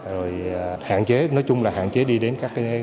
rồi hạn chế nói chung là hạn chế đi đến các nơi có dịch